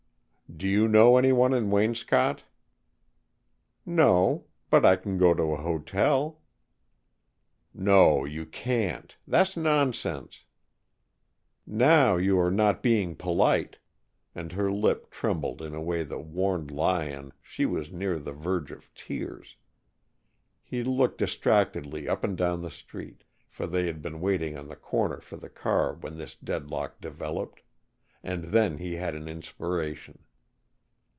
"Do you know anyone in Waynscott?" "No. But I can go to a hotel." "No, you can't. That's nonsense." "Now you are not being polite." And her lip trembled in a way that warned Lyon she was near the verge of tears. He looked distractedly up and down the street, for they had been waiting on the corner for the car when this deadlock developed, and then he had an inspiration.